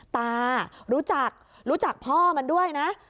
ตารู้จักรู้จักพ่อมันด้วยนะ